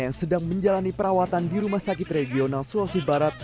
yang sedang menjalani perawatan di rumah sakit regional sulawesi barat